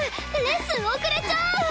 レッスン遅れちゃう！